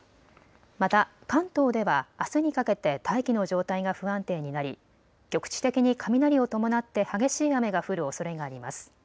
また関東ではあすにかけて大気の状態が不安定になり局地的に雷を伴って激しい雨が降るおそれがあります。